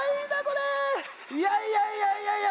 いやいやいやいやいや。